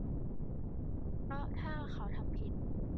เพราะถ้าเขาทำผิด